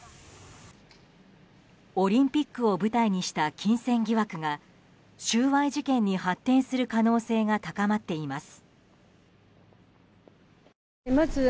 オリンピックを舞台にした金銭疑惑が収賄事件に発展する可能性が高まっています。